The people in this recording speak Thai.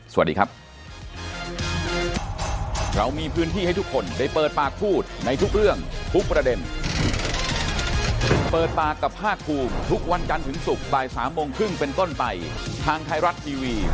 สวัสดีครับ